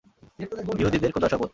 ইহুদীদের খোদার শপথ।